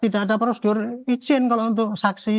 tidak ada prosedur izin kalau untuk saksi